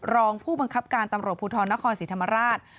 รองผู้บังคับการตำรวจภูทรนครศรีธรรมราช